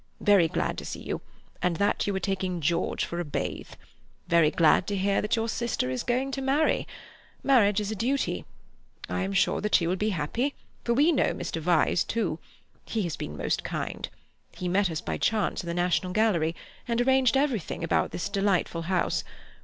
Very glad to see you, and that you are taking George for a bathe. Very glad to hear that your sister is going to marry. Marriage is a duty. I am sure that she will be happy, for we know Mr. Vyse, too. He has been most kind. He met us by chance in the National Gallery, and arranged everything about this delightful house.